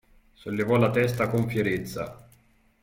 Sollevò la testa con fierezza.